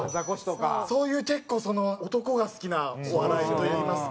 そういう結構その男が好きなお笑いといいますか。